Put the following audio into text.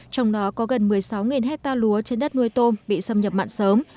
trong đó có gần một mươi sáu hectare lúa trên đất nuôi tôm bị xâm nhập mặn sớm